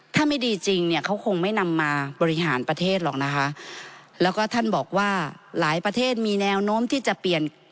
ถ้าไม่ดีจริงเนี่ยเขาคงไม่นำมาบริหารประเทศหรอกนะคะแล้วก็ท่านบอกว่าหลายประเทศมีแนวโน้มที่จะเปลี่ยน